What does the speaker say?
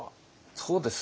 そうですね。